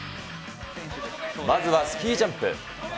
まずはスキージャンプ。